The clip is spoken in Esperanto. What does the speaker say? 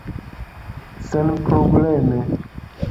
senprobleme